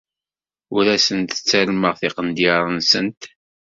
Ur asent-ttalmeɣ tiqendyar-nsent.